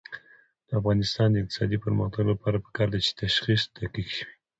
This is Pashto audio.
د افغانستان د اقتصادي پرمختګ لپاره پکار ده چې تشخیص دقیق وي.